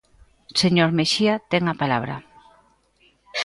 Señor Mexía, ten a palabra.